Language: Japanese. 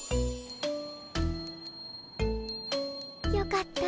よかった。